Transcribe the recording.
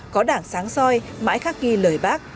có đảng sáng soi mãi khắc ghi lời bác